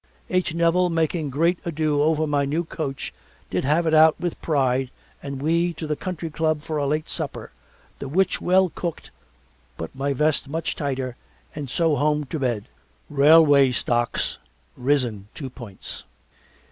H. Nevil making great ado over my new coach did have it out with pride and we to the Country Club for a late supper, the which well cooked but my vest much tighter and so home and to bed. Railway stocks risen two points.